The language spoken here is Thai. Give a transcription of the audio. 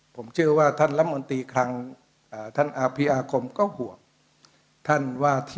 ผมเชื่อว่าท่านลำอวนตรีครั้งท่านอภิอาคมก็ห่วง